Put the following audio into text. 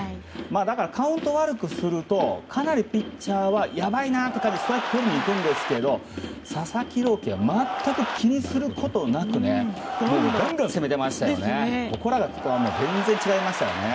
だから、カウントを悪くするとピッチャーは、やばいなとストライクをとりにくるんですが佐々木朗希は全く気にすることなくガンガン攻めていましたよね。